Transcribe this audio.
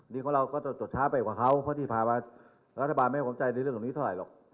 นี่ของเราก็จะจดช้าไปกว่าเขาเพราะที่พามารัฐบาลไม่คงใจในเรื่องแบบนี้เท่าไหร่หรอก